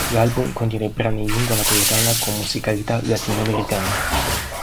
L'album contiene brani in lingua napoletana con musicalità latino-americane.